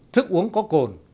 thức uống có cồn